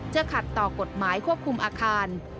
ขัดต่อกฎหมายควบคุมอาคาร